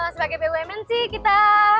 sebagai bumn sih kita